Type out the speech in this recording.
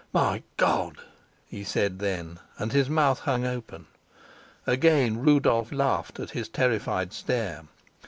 "My God!" he said then, and his mouth hung open. Again Rudolf laughed at his terrified stare.